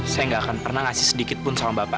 saya gak akan pernah ngasih sedikitpun sama bapak